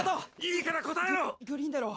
いいから答えろ！